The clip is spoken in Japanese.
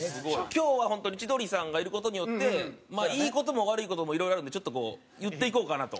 今日は本当に千鳥さんがいる事によっていい事も悪い事もいろいろあるんでちょっとこう言っていこうかなと。